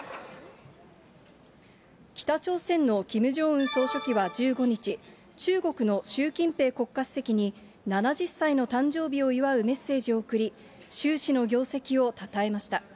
北朝鮮のキム・ジョンウン総書記は１５日、中国の習近平国家主席に７０歳の誕生日を祝うメッセージを送り、習氏の業績をたたえました。